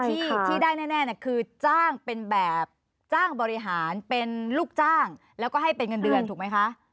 ที่ได้แน่คือจ้างเป็นแบบจ้างบริหารเป็นลูกจ้างแล้วก็ให้เป็นเงินเดือนถูกไหมคะ